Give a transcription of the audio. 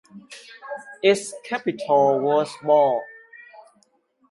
Its capital was Bol.